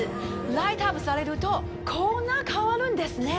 ライトアップされるとこんな変わるんですね。